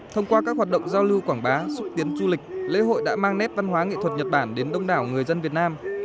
thông qua các hoạt động giao lưu quảng bá xúc tiến du lịch lễ hội đã mang nét văn hóa nghệ thuật nhật bản đến đông đảo người dân việt nam